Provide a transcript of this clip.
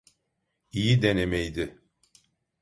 İyi denemeydi.